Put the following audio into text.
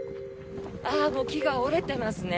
もう木が折れてますね。